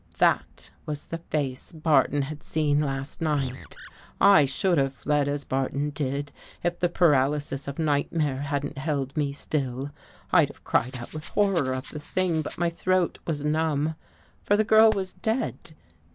That was the face Barton had seen last night. I should have fled as Barton did, If the paralysis of nightmare hadn't held me still. I'd have cried out with horror of the thing, but my throat was numb. For the girl was dead!